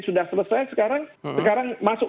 sudah selesai sekarang masuk